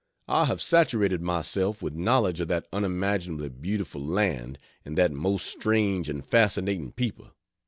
I have saturated myself with knowledge of that unimaginably beautiful land and that most strange and fascinating people.